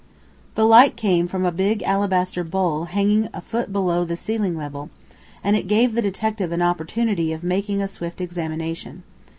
The light came from a big alabaster bowl hanging a foot below the ceiling level, and it gave the detective an opportunity of making a swift examination.